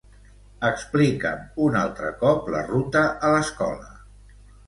Explica'm un altre cop la ruta a l'escola.